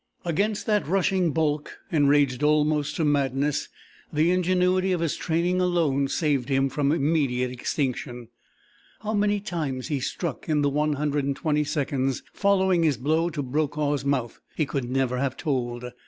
Against that rushing bulk, enraged almost to madness, the ingenuity of his training alone saved him from immediate extinction. How many times he struck in the 120 seconds following his blow to Brokaw's mouth he could never have told.